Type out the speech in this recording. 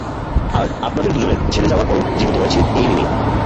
আর আপনাদের দুজনের ছেঁড়ে যাওয়ার পরও জীবিত রয়েছে এই মিমি।